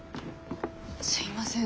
すいません。